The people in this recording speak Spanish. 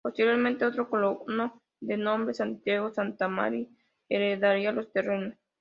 Posteriormente, otro colono de nombre "Santiago Santamaría" heredaría los terrenos.